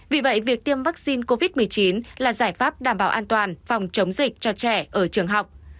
vì vậy việc tiêm vaccine covid một mươi chín là giải pháp đảm bảo an toàn phòng chống dịch cho trẻ ở trường học